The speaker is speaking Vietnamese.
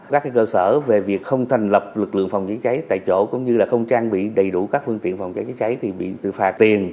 các cơ sở về việc không thành lập lực lượng phòng cháy cháy tại chỗ cũng như không trang bị đầy đủ các phương tiện phòng cháy chữa cháy thì bị phạt tiền